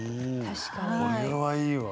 これはいいわ。